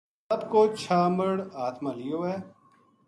سپ کو چھامر ہتھ ما لیو ہے